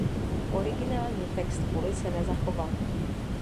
Originální text buly se nezachoval.